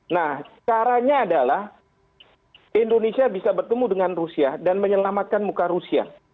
nah caranya adalah indonesia bisa bertemu dengan rusia dan menyelamatkan muka rusia